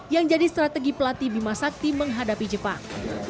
yang jadi strategi pelatih bimasakti menghadapi jepang